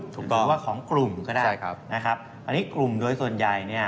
ถือว่าของกลุ่มก็ได้นะครับอันนี้กลุ่มโดยส่วนใหญ่